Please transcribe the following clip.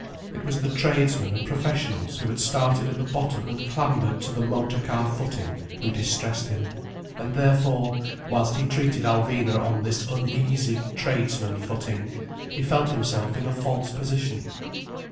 It was the tradesmen and professionals who had started at the bottom and clambered to the motor car footing, who distressed him. And therefore, whilst he treated Alvina on this uneasy tradesman footing, he felt himself in a false position.